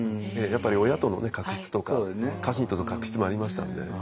やっぱり親との確執とか家臣との確執もありましたので。